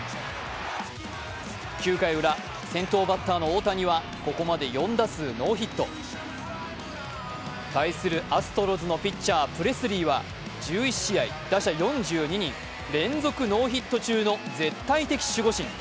９回ウラ、先頭バッターの大谷はここまで４打数ノーヒット。対するアストロズのピッチャープレスリーは１１試合、打者４２人連続ノーヒット中の絶対的守護神。